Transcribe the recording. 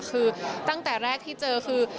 คือตั้งแต่แรกที่เจอคือ